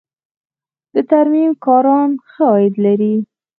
د ترمیم کاران ښه عاید لري